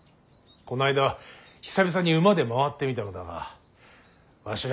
この間久々に馬で回ってみたのだがわし